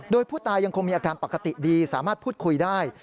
โดยผู้ตายยังคงมีอาการปกติดีสามารถพูดคุยได้